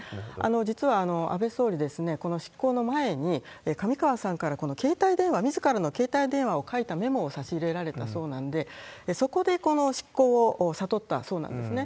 実は安倍総理、この執行の前に、上川さんから携帯電話、みずからの携帯電話を書いたメモを差し入れられたそうなんで、そこでこの執行を悟ったそうなんですね。